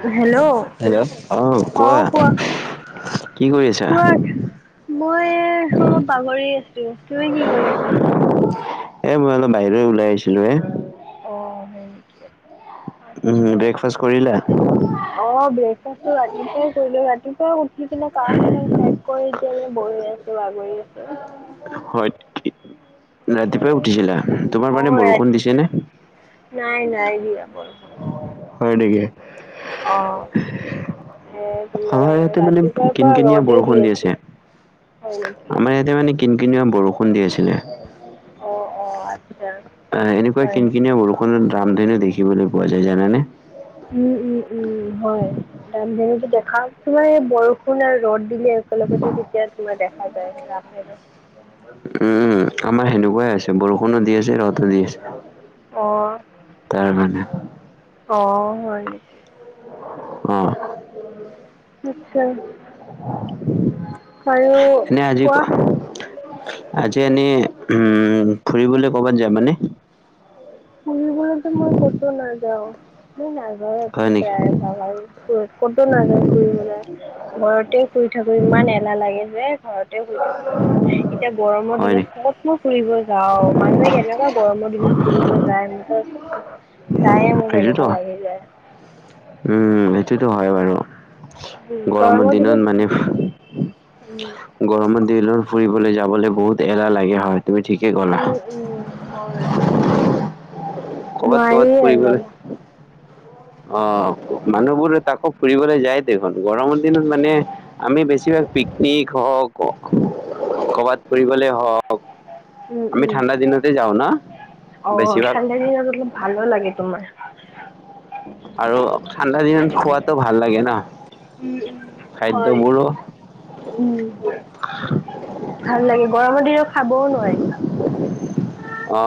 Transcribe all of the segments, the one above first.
Hello অ hello অ কোৱা কি কৰি আছা কোৱা মই অলপ বাগৰি আছো তুমি কি কৰি আছা এ মই অলপ বাহিৰত ওলাই আহিছিলো এ অ হয় নেকি উম আচ্ছা ব্ৰেকফাষ্ট কৰিলা অ ব্ৰেকফাষ্টটো ৰাতিপুৱাই কৰিলো ৰাতিপুৱাই উঠি কিনে কাম চাম শেষ কৰি এতিয়া এনে বহি আছো ত বাগৰি আছো হয় ঠিক ৰাতিপুৱাই উঠিছিলা তোমাৰ অ মানে বৰষুণ ৰাতি দিছেনে নাই নাই দিয়া বৰষুণ হয় নেকি অ এ তোমাৰ আমাৰ ইয়াতে মানে ৰাতিপুৱাৰ কিন পৰা কিনিয়া ৰ'দে বৰষুণ দি আছে হয় নেকি আমাৰ ইয়াত তে মানে কিন কিনিয়া বৰষুণ দি আছিলে অ অ আচ্ছা এ এনেকোৱা হয় কিন নেকি কিনিয়া বৰষুণত ৰাম ধেনু দেখিবলৈ পোৱা যায় জানানে উম উম উম হয় ৰাম ধেনুতো দেখা তোমাৰ এই বৰষুণ আৰু ৰ'দ দিলে একেলগতে তেতিয়া তোমাৰ দেখায় পাই ৰামধেনু, উম আমাৰ সেনেকুৱাই হৈছে বৰষুণো দি আছে ৰদো দি আছে। অ তাৰমানে, অ হয় নেকি। অ নিচ্ছয়, [unintelligible] আৰু এনেই আজি কোৱা কোৱা। আজি এনেই উম ফুৰিবলে কৰ'বাত যাবা নে, ফুৰিবলেটো মই কতো নাযাওঁ মই নাযাওঁ হয় নেকি প্ৰায় ভাগ আৰু কতো নাযাওঁ ফুৰিবলে। ঘৰতে শুই থাকো ইমান এলাহ লাগে যে ঘৰতে শুই থাকো। অ এতিয়া গৰমৰ হয় নেকি দিনত কতনো ফুৰিব যাওঁ মানুহে কেনেকুৱা গৰমৰ দিনত ফুৰিব যা যায় মানে চায়ে মোক সেইটোতো কেনেকুৱা লাগি যায়। উম সেইটোতো হয় বাৰু গৰমৰ দিনত মানে, গৰমৰ দিনত ফুৰিবলৈ যাবলৈ বহুত এলাহ লাগে হয় তুমি ঠিক উম উম হয় ক'ৰবাত ক'ৰবাত নোৱাৰিয়ে ফুৰিবলৈ যাব। অ মানুহবোৰ তাকো ফুৰিবলৈ যায়। দেখোন গৰমৰ দিনত মানে আমি বেছিভাগ পিকনিক হওক, কৰবাত ফুৰিবলে হওক। উম আমি উম ঠাণ্ডা দিনতে যাওঁ না বেছিভাগ। সেইকিতা দিনত, ভালো লাগে তোমাৰ। আৰু ঠাণ্ডা দিনত খোৱাতো ভাল লাগে ন হয় খাদ্যবোৰো। উম। ভাল লাগে গৰমৰ দিনত খাবও নোৱাৰি। অ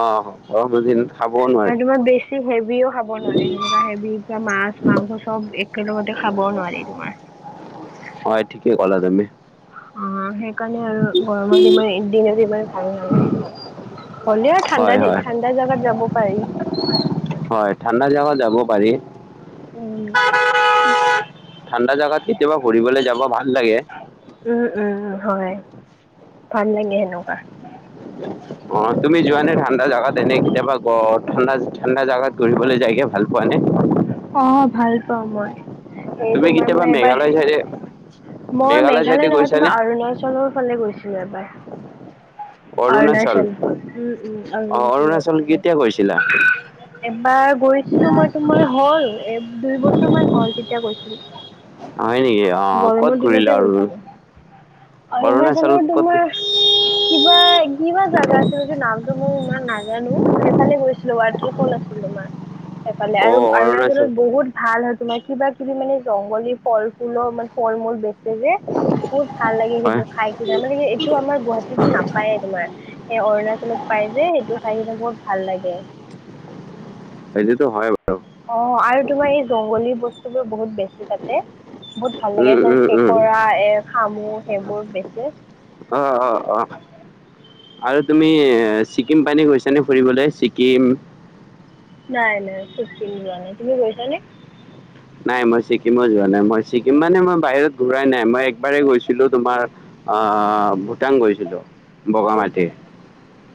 গৰমৰ দিনত, খাবও নোৱাৰি আৰু মই বি ছি হেভিও খাব নোৱাৰি যেনেকা হেভি মাছ মাংস চব একেলগতে খাবও নোৱাৰি তোমাৰ, হয় ঠিকেই ক'লা তুমি। অ সেইকাৰণে আৰু গৰমত ইমান দিনত ইমান ভাল নালাগে। হ'লেও ঠাণ্ডা হয় হয় ঠাণ্ডা জাগাত যাব পাৰি। হয় ঠাণ্ডা জাগাত যাব পাৰি। উম ঠাণ্ডা জাগাত কেতিয়াবা ঘুৰিবলৈ যাব ভাল লাগে। উম উম হয় ভাল লাগে সেনেকুৱা। [unintelligible] অ তুমি যোৱা নে ঠাণ্ডা জাগাত এনেই কেতিয়াবা গ ঠাণ্ডা ঠাণ্ডা জাগাত ঘূৰিবলৈ যায় ভাল পোৱা নে। অ ভাল পাওঁ মই। সেই তুমি তোমাৰ কেতিয়াবা মই এবাৰ মেঘালয় চাইডে মই চাইডে মেঘালয় নহয় গৈছানে তোমাৰ অৰুণা চল ফালে গৈছিলো এবাৰ। অৰুণাচল উম উম অঁ অৰুণাচল অৰুণাচলত মানে, কেতিয়া গৈছিলা এবাৰ গৈছিলো মই তোমাৰ হ'ল, এক দুই বছৰমান হ'ল তেতিয়া গৈছিলো। হয় নেকি অঁ, ক'ত গৰমৰ দিনতে ঘূৰিলা অৰু গৈছিলো। অৰুণাচল অৰুণাচলৰ ক'ত- তোমাৰ কিবা কিবা জাগা আছিল এইটো নামটো মই ইমান নাজানো, সেইফালে গৈছিলো ৱাটাৰ ফল আছিল তোমাৰ। [inaudible] সেইফালে, আৰু অঁ অৰুণাচল অৰুণাচলত বহুত ভাল হয় তোমাৰ, কিবা কিবি মানে জংগলী ফল- ফুল মানে ফল মূল বেচে যে- বহুত ভাল লাগে হয় সেইবোৰ খাই কিনা, মানে সেই এইটো আমাৰ গুৱাহাটীত নাপায়ে তোমাৰ। সেই অৰুণাচলত পাই যে, সেইটো খাই কিনে বহুত ভাল লাগে। সেইটোতো হয় বাৰু। অঁ আৰু তোমাৰ এই জংগলী বস্তুবোৰ বহুত বেছি তাতে। বহুত ভাল লাগে যেন কেঁকৰা, এ শামু সেইবোৰ বেচে। অঁ অঁ অঁ। আৰু তুমি ছিকিম পানে গৈছানে ফুৰিবলৈ ছিকিম? নাই নাই চিকিম যোৱা নাই, তুমি গৈছানে? নাই মই ছিকিমত যোৱা নাই, মই ছিকিম মানে মই বাহিৰত ঘূৰাই নাই মই একবাৰেই গৈছিলো তোমাৰ- অঁঅঁ ভূটান গৈছিলো। বগামাটি, ভূটান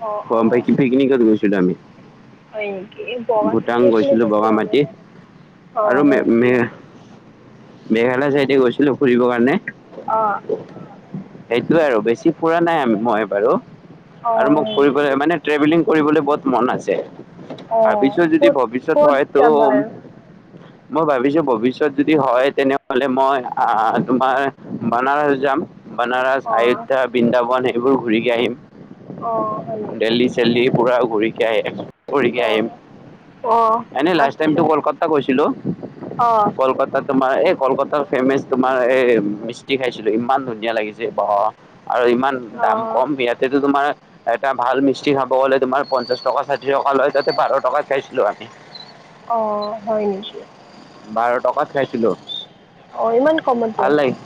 অঁ গম অঁ পাই কি পিকনিকত গৈছিলো আমি। হয় নিকি? ভূটান গৈছিলো বগামাটি, অঁ আৰু মে হয় নেকি মে- মেঘালয় চাইডে গৈছিলো ফুৰিবৰ কাৰণে। অঁ। সেইটোয়ে আৰু বেছি ফুৰা নাই মই বাৰু, অঁ আৰু মোক হয় ফুৰিবলে নেকি মানে- ট্ৰেভেলিং কৰিবলৈ বহুত মন আছে। অঁ ভাবিছো যদি ক'ত ভৱিষ্যত ক'ত যাবা হয়তো- আৰু মই ভাবিছো ভৱিষ্যত যদি হয় তেনেহলে মই আঁহ তোমাৰ বানাৰস যাম। বনাৰস, অঁ আয়োধ্যা, বৃন্দাবন এইবোৰ ঘূৰি আহিম, অঁ হয় নেকি দেল্লী- চেল্লি পুৰা ঘূৰিকে আহিম ঘূৰিকে অঁ আহিম। অঁ এনেই লাষ্ট টাইমটো আচ্ছা কলকাতা গৈছিলো, অঁ কলকাতাত- তোমাৰ এই কলকাতাৰ ফেমেচ তোমাৰ এই মিষ্টি খাইছিলো, ইমান ধুনী- নীয়া লাগিছে বাহ, আৰু ইমান দাম অঁ কম ইয়াতেতো তোমাৰ- এটা ভাল মিষ্টি খাব গ'লে তোমাৰ পঞ্চাশ টকা, ষাঠি টকা লয়, তাতে বাৰ টকাত খাইছিলো আমি। [inaudible] অঁ হয় নিকি? বাৰ টকাত খাইছিলো। অ' ইমান কমতে? ভাল লাগিল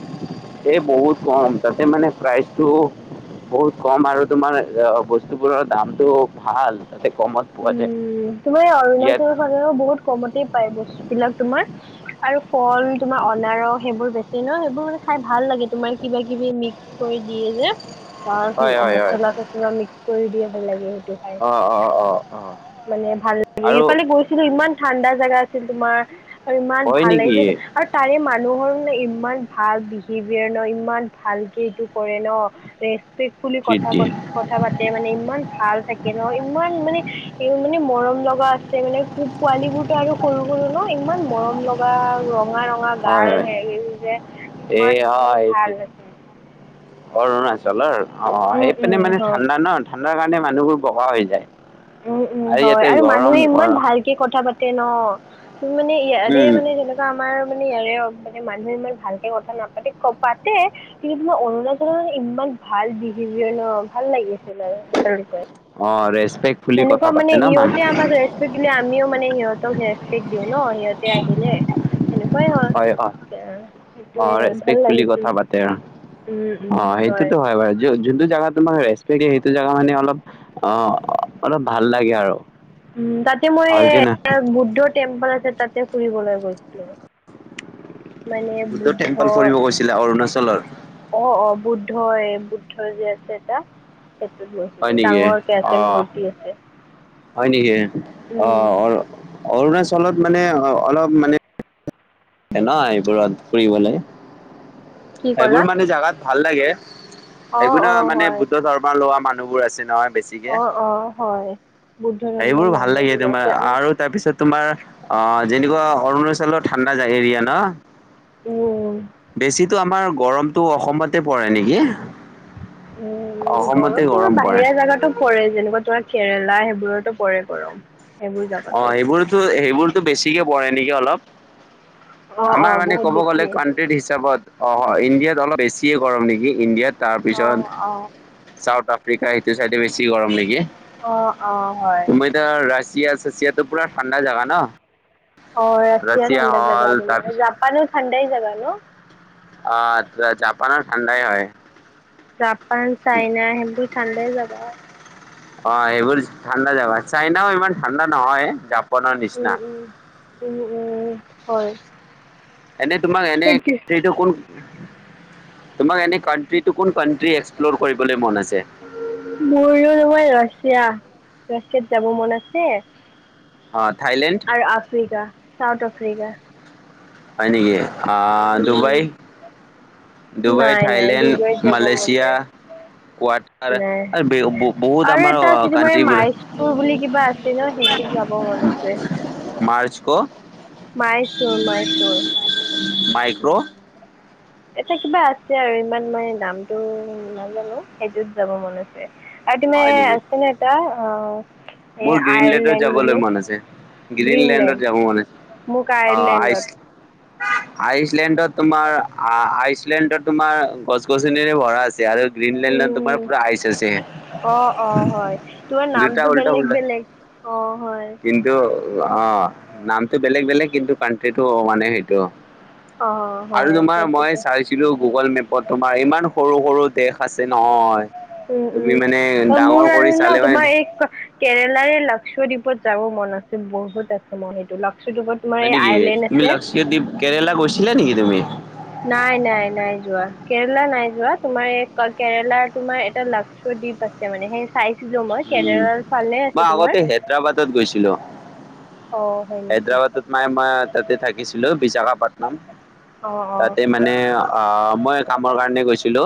এই বহুত কম, তাতে মানে প্ৰাইচটো- বহুত কম আৰু তোমাৰ বস্তুবোৰৰ দামটো ভাল, তাতে কমত- পোৱা যায়। উম' তোমাৰ এই ইয়াত অৰুণাচল ফালেও বহুত কমতে পায় বস্তুবিলাক তোমাৰ। আৰু ফল তোমাৰ অনাৰস সেইবোৰ বেচি ন, সেইবোৰ মানে খাই ভাল লাগে তোমাৰ কিবা- কিবি মিক্স- কৰি দিয়ে যে, তাত হয় হয় হয় মচলা - চচলা মিক্স কৰি দিয়ে ভাল লাগে সেইটো খায়। অঁ অঁ অঁ অঁহ। মানে ভাল লাগে সেইফালে গৈছিলো ইমান ঠাণ্ডা জাগা আছিল তোমাৰ আৰু ইমান হয় ভাল নেকি লাগিছিল। আৰু তাৰে মানুহৰ ইমান ভাল বিহেভিয়াৰ ন, ইমান ভালকে এইটো কৰে ন। ৰেচপেক ফুলি কথা তৃপ্তি পত কথা পাতে মানে ইমান ভাল থাকে ন ইমান মানে- এই মানে মৰম লগা আছে মানে পো পোৱালীবোৰতো আৰু সৰু সৰু ন ইমান মৰম ল- কিবা ৰঙা -ৰঙা হয় গাল হয় হেৰি যে এই কিমান মানে হয় ভাল দেখে! অৰুণাচলৰ? অ উম উম সেইপিনে মানে হয় ঠাণ্ডা ন। ঠাণ্ডাৰ কাৰণে মানুহবোৰ বগা হৈ যায়। উম উম হয় ইয়াতে আৰু গৰম মানুহে ইমান গৰম ভালকে কথা পাতে ন। তুমি মানে ইয়াৰে উম মানে সেনেক আমাৰ মানে ইয়াৰে মানে মানুহে ইমান ভালকে কথা নাপাতে, ক পাতে কিন্তু তোমাৰ অৰুণাচলৰ মানে ইমান ভাল বিহেভিয়াৰ ন, ভাল লাগিছিল আৰু আচলতে। অ ৰেচপেক্ট সেনেকুৱা মানে সিহঁতে আমাক ৰেচ পেক্ট দিলে আমিও মানে সিহঁতক ৰেচপেক্ট দিওঁ ন সিহঁতে আহিলে। হয় হ, সেইটোৱে অঁ আৰু ভাল ৰেছপেক্টফুলি লাগিছিল কথা পাতে অঁ। উম অ উম সেইটোতো হয় বাৰু য হ যোনটো জাগাত তোমাক ৰেছপেক্ট দিয়ে সেইটো জেগা মানে অলপ অ অলপ ভাল লাগে আৰু। উ তাতে মই হয় এ কি না? বুদ্ধ টেম্পল আছে তাতে ফুৰিবলৈ গৈছিলো। মানে বুদ্ধ টেম্পল ফুৰিব গৈছিলা অৰুণাচলৰ? অ অ বুদ্ধই বুদ্ধই যে আছে এটা। সেইটোত হয় গৈছিলো নেকি? ডাঙৰ কে আছে অ', মূৰ্তি আছে। হয় নেকি? অ উম, অ অৰুণাচলত মানে অলপ মানে ন এইবোৰত ফুৰিবলৈ, কি সেইবোৰ ক'লা? মানে জাগাত ভাল লাগে। অ', এইবোৰ ন অ', মানে হয় বুদ্ধ ধৰ্ম লোৱা মানুহবোৰ আছে নহয় বেছি ছিকে, অ', অ', হয়। বুদ্ধ সেইবোৰ ধৰ্মৰ ভাল লাগে মানুহবোৰ তোমাৰ আছে উম, আৰু তাৰপিছত তোমাৰ অ যেনেকুৱা অৰুণাচলৰ ঠাণ্ডা এৰিয়া ন। উম, বেছিতো আমাৰ গৰমটো অসমতে পৰে নেকি? উম অসমতে গৰম তোমাৰ পৰে। বাহিৰা জাগাতো পৰে যেনেকুৱা তোমাৰ কেৰেলা সেইবোৰতো পৰে গৰম। সেইবোৰ জাগাতো অঁ সেইবোৰতো সেইবোৰতো বেছিকে পৰে নেকি অলপ? অ', আমাৰ অ', মানে বহুত ক'ব গ'লে বেছিয়ে কন হিচাপত অ ইণ্ডিয়াত অলপ বেছিয়ে গৰম নেকি ইণ্ডিয়াত! অ', অ', তাৰপিছত চাউথ আফ্ৰিকা সেইটো চাইডে বেছি গৰম নেকি? অ অঁ হয়। তুমি ৰাছিয়া চাছিয়াটো পোৰা ঠাণ্ডা জাগা ন। অ ৰাছিয়া ঠাণ্ডা জাগা হ'ল তোমাৰ, তাৰপিছত জাপানো ঠাণ্ডাই জাগা ন? অঁ জাপানৰ ঠাণ্ডাই হয়। জাপান, চাইনা সেইবোৰ ঠাণ্ডাই জাগা! অ সেইবোৰ ঠাণ্ডা জাগা, চাইনাও ইমান ঠাণ্ডা নহয় জাপানৰ উম, নিচিনা। উম, উম উম হয়। এনে তোমাক এনে তাকে ফিল টো কোন তোমাক এনে কানট্ৰিটো কোন কানট্ৰি এক্সপ্লৰ কৰিবলে মন আছে? মোৰো নহয় ৰাছিয়া ৰাছিয়াত যাব মন আছে অ' থাইলেণ্ড আৰু আফ্ৰিকা চাউথ আফ্ৰিকা। হয় নেকি? অঁ উম, ডুবাই ডুবাই নাই নাই থাইলেণ্ড ডুবাইত যাব মন মালয়েছিয়া নাই। কোৱাটাৰ নাই আৰু বে- ব- বহুত আৰু আমাৰ এটা আছে তোমাৰ কাণ্ট্ৰিবোৰ মাইচুৰ বুলি কিবা আছ ছে নহয়, সেইটোত যাব মন আছে। মাৰ্চ ক? মাইচুৰ মাইচুৰ। মাইক্ৰ'। এটা কিবা আছে আৰু ইমান মানে নামটো নাজানো সেইটোত যাব মন আছে। আৰু তুমি হয় নেকি আই ফন‌ এটা অ এ মোৰ গ্ৰীণলেডত আয়াৰলেণ্ড যাবলে বুলি মন আছে। গ্ৰীণলেণ্ডত গ্ৰীণলেণ্ড যাব মন আছে মোক অ আইচ আয়াৰলেণ্ডত আইচলেণ্ডত তোমাৰ আইচ আইচলেণ্ডত তোমাৰ গছ-গছনিৰে ভৰা আছে আৰু গ্ৰীনলেণ্ডত উম তোমাৰ উম পুৰা আইচ আছে অ অ হয় তোমাৰ দুটা নামটো বেলেগ উল্টা বেলেগ অ' হয়। কিন্তু অ' নামটো বেলেগ-বেলেগ কিন্তু কানট্ৰিটো মানে সেইটো। অ আৰু হয় তোমাৰ মই সেইটোকে চাইছো লো গুগল মেপত তোমাৰ ইমান সৰু-সৰু দেশ আছে নহয়। উম উম তুমি মানে আৰু ডাঙৰ মোৰ কৰি আৰু ন চালে তোমাৰ মানে এক কেৰেলাৰে লক্ষোদ্বীপত যাব মন আছে বহুত আছে মন সেইটো লক্ষোদ্বীপত হয় নেকি, তুমি লক্ষোদ্বীপ কেৰেলা গৈছিলা নেকি তুমি? নাই নাই নাই যোৱা, কেৰেলা নাই যোৱা তোমাৰ এই কেৰেলাৰ তোমাৰ এটা লক্ষোদ্বীপ আছে। মানে সেই চাইছিলোঁ মই কেৰেলাৰ ফালেই আছে তোমাৰ হায়দৰবাদত গৈছিলো। অ হয়। নেকি হায়দৰবাদত মানে মই তাতে থাকিছিলো বিশাখাপাটনম। অ অ তাতে মানে অ মই কামৰ কাৰণে গৈছিলোঁ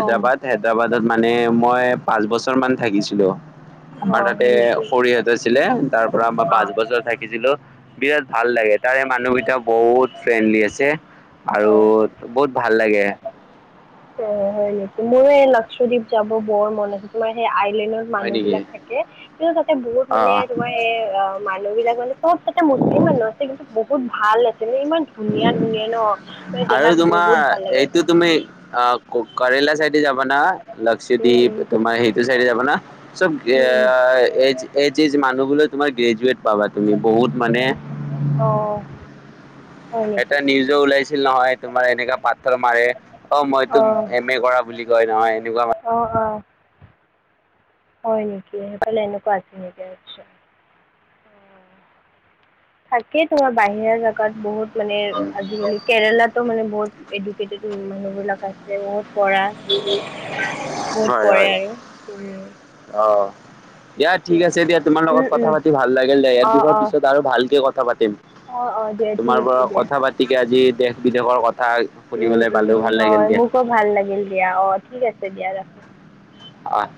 অ হায়দৰবাদত মানে মই পাঁচ বছৰ মান থাকিছিলো, অ আমাৰ তাতে হয় নেকি খৰিহঁত আছিলে তাৰ পৰা আমাৰ অ পাঁচ বছৰ থাকিছিলো বিৰাট ভাল লাগে, তাৰে মানুহকেইটা বহুত ফ্ৰেণ্ডলি আছে। আৰু অ বহুত ভাল লাগে। অ' হয় নেকি, মোৰো এই লক্ষদ্বীপ যাব বৰ মন আছে তোমাৰ সেই আইলেণ্ডত হয় মানুহ নেকি বিলাক থাকে কিন্তু তাতে বহুত অ মানে তোমাৰ এই অ মানুহ বিলাক মানে বহুত তাতে মুছলিম মানুহ আছে কিন্তু বহুত ভাল আছিলে ইমান ধুনীয়া-ধুনীয়া ন, মানে আৰু দেখাত তোমাৰ বহুত ভাল লাগে। এইটো তুমি অ কৰেলা চাইডে যাব না উম, উম, লক্ষদ্বীপ তোমাৰ সেইটো চাইডে যাব না? চব এ উম, উম, এজ এজ এজ মানুহ বোৰো তোমাৰ গ্ৰেজুৱট পাবা তুমি বহুত মানে অঁ। এটা নিউজ ও ওলাইছিল নহয় তোমাৰ এনেকা পাথৰ মাৰে অ মই তো অ', এম এ কৰা বুলি কয় নহয় এনেকুৱা মানে। অ অ। হয় নেকি সেইফালে এনেকুৱা আছে নেকি আটচা। থাকেই তো বাহিৰা জেগাত বহুত মানে আজিকালি কেৰেলাতো মানে বহুত এডুকেটেতু মানুহ বিলাক আছে বহুত পঢ়া। বহুত হয় পৰে হয় আৰু। উম, অ'। দিয়া তাকে। ঠিক আছে দিয়া তোমাৰ উম, লগত কথা উম, পাতি ভাল লাগিল দেয় ইয়াৰ অ', বিশৰ অ', পিছত আৰু ভালকে কথা পাতিম। অ', অ', দিয়া ঠিক তোমাৰ পৰা আছে দিয়া। কথা পাতিকে আজি দেশ-বিদেশৰ কথা শুনিবলৈ পালো, ভাল লাগিল দিয়া। আ ভাল লাগিল দিয়া, অ' ঠিক আছে দিয়া ৰাখো। আহ।